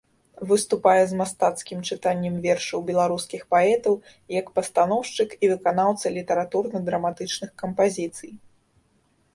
Выступае з мастацкім чытаннем вершаў беларускіх паэтаў, як пастаноўшчык і выканаўца літаратурна-драматычных кампазіцый.